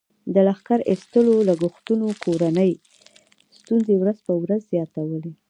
د لښکر ایستلو لګښتونو کورنۍ ستونزې ورځ په ورځ زیاتولې.